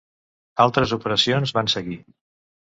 Altres operacions van seguir.